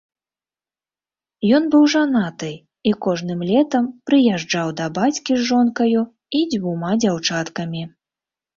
Ён быў жанаты і кожным летам прыязджаў да бацькі з жонкаю і дзвюма дзяўчаткамі.